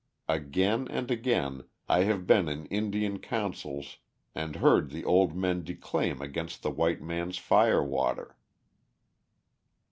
Again and again I have been in Indian councils and heard the old men declaim against the white man's fire water.